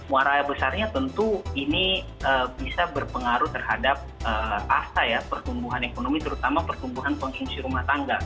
warah besarnya tentu ini bisa berpengaruh terhadap asa ya pertumbuhan ekonomi terutama pertumbuhan konsumsi rumah tangga